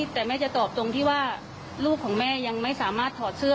แต่แม่จะตอบตรงที่ว่าลูกของแม่ยังไม่สามารถถอดเสื้อ